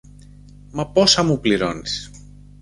Μα πόσα μου πληρώνεις;